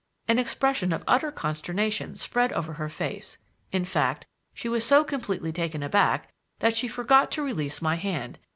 An expression of utter consternation spread over her face; in fact, she was so completely taken aback that she forgot to release my hand.